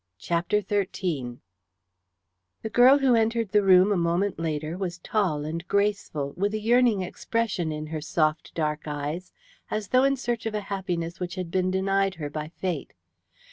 CHAPTER XIII The girl who entered the room a moment later was tall and graceful, with a yearning expression in her soft dark eyes, as though in search of a happiness which had been denied her by Fate.